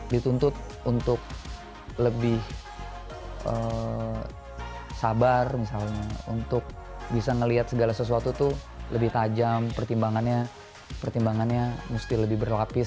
dituntut untuk lebih sabar misalnya untuk bisa melihat segala sesuatu tuh lebih tajam pertimbangannya mesti lebih berlapis